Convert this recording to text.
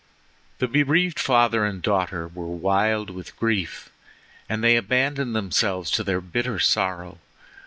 The bereaved father and daughter were wild with grief, and they abandoned themselves to their bitter sorrow.